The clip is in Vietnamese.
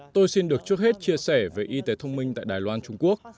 tôi xin được trước hết chia sẻ về y tế thông minh tại đài loan trung quốc